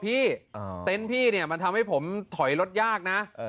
เต็นต์พี่เนี่ยมันทำให้ผมถอยรถยากนะ